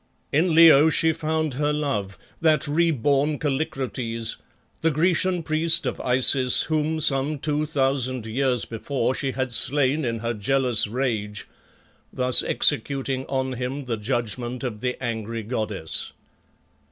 In Leo she found her love, that re born Kallikrates, the Grecian priest of Isis whom some two thousand years before she had slain in her jealous rage, thus executing on him the judgment of the angry goddess.